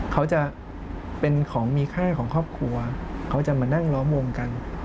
เขาจะเป็นของมีค่าของครอบครัวเขาจะมานั่งล้อมวงกัน